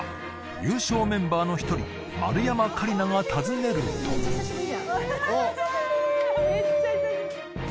優勝メンバーの一人丸山桂里奈が訪ねると久しぶり！